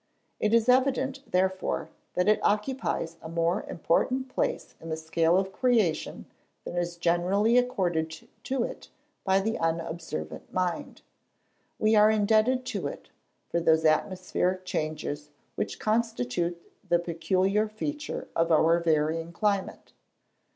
It is evident, therefore, that it occupies a more important place in the scale of creation than is generally accorded to it by the unobservant mind. We are indebted to it for those atmospheric changes which constitute the peculiar feature of our varying climate.